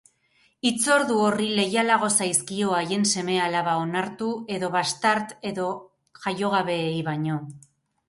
Hitzordu horri leialago zaizkio haien seme-alaba onartu edo bastart edo jaiogabeei baino.